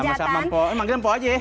sama sama emang kita mpo aja ya